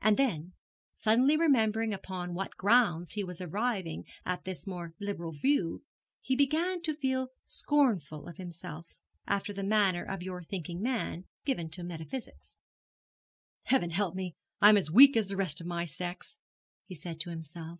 And then, suddenly remembering upon what grounds he was arriving at this more liberal view, he began to feel scornful of himself, after the manner of your thinking man, given to metaphysics. 'Heaven help me! I am as weak as the rest of my sex,' he said to himself.